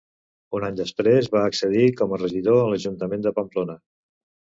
Un any després va accedir com a regidor a l'ajuntament de Pamplona.